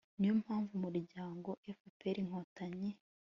niyo mpamvu umuryango fpr-inkotanyi